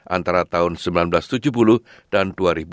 antara tahun seribu sembilan ratus tujuh puluh dan dua ribu